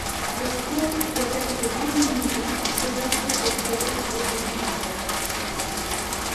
Le pot doit être volumineux, se gonfler d’orgueil et de vide.